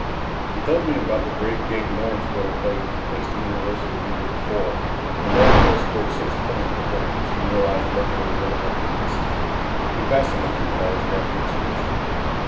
He told me about the great game Lawrenceville played with the Princeton Varsity the year before, when Lawrenceville scored six points before Princeton realized what they were really up against. He fascinated me by his graphic description.